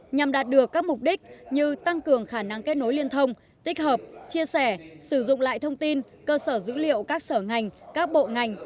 nhằm đạt được các mục đích như tăng cường khả năng kết nối liên thông tích hợp chia sẻ sử dụng lại thông tin cơ sở dữ liệu các sở ngành các bộ ngành